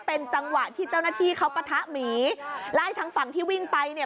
เป็นจังหวะที่เจ้าหน้าที่เขาปะทะหมีและให้ทางฝั่งที่วิ่งไปเนี่ย